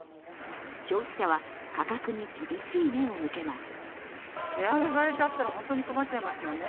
消費者は価格に厳しい目を向けます。